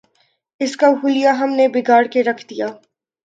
اس کا حلیہ ہم نے بگاڑ کے رکھ دیا۔